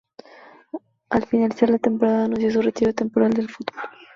Al finalizar la temporada anunció su retiro temporal del fútbol.